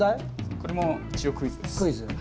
これも一応クイズです。